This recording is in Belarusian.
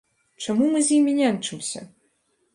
Чаму мы з імі няньчымся?